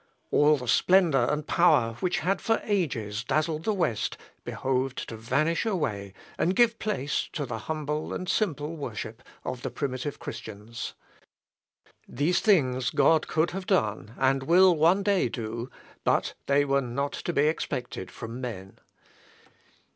All the splendour and power which had for ages dazzled the West behoved to vanish away and give place to the humble and simple worship of the primitive Christians. These things God could have done, and will one day do, but they were not to be expected from men.